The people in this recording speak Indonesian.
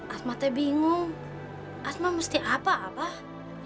asma teh bingung asma mesti apa abah